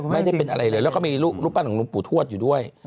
ไม่ได้เป็นอะไรเลยแล้วก็มีรูปปั้นของหลวงปู่ทวดอยู่ด้วย